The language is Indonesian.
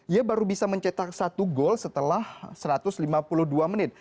ia baru bisa mencetak satu gol setelah satu ratus lima puluh dua menit